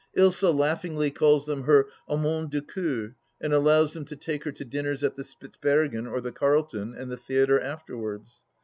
Ilsa laughingly calls them her amants de cceur, and allows them to take her to dinners at the Spitzbergen or the Carlton and the theatre afterwards.